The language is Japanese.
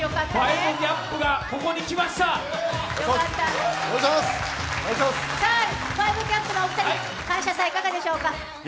５ＧＡＰのお二人感謝祭、いかがでしょうか？